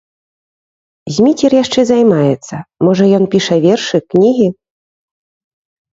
Зміцер яшчэ займаецца, можа, ён піша вершы, кнігі?